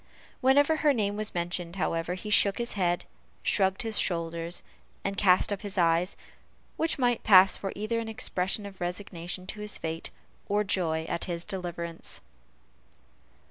Whenever her name was mentioned, however, he shook his head, shrugged his shoulders, and cast up his eyes; which might pass either for an expression of resignation to his fate, or joy at his deliverance.